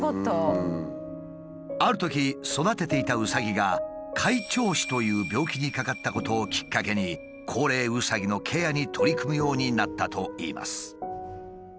あるとき育てていたうさぎが開帳肢という病気にかかったことをきっかけに高齢うさぎのケアに取り組むようになったといいます。